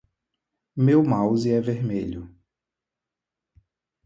Meu mouse é vermelho